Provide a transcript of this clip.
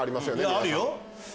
あるよ。